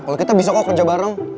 kalau kita bisa kok kerja bareng